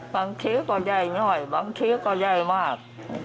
บางทีก็แย่หน่อยบางทีก็แย่มาก